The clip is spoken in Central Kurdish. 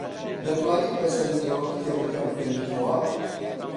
دەتوانیت بەسەرنجەوە کتێبەکە بخوێنیتەوە؟